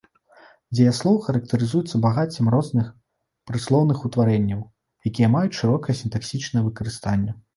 Дзеяслоў характарызуецца багаццем розных прыслоўных утварэнняў, якія маюць шырокае сінтаксічнае выкарыстанне.